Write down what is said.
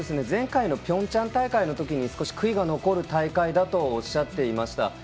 前回のピョンチャン大会のときに少し悔いが残る大会だとおっしゃっていました。